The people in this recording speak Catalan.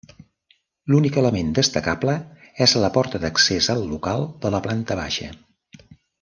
L'únic element destacable és la porta d'accés al local de la planta baixa.